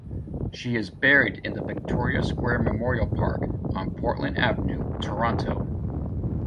She is buried in the Victoria Square Memorial Park on Portland Avenue, Toronto.